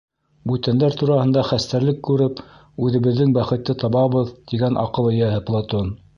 Бүтәндәр тураһында хәстәрлек күреп, үҙебеҙҙең бәхетте табабыҙ, тигән аҡыл эйәһе Платон.